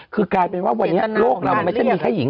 ทำงานดูดูซักที